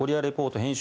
編集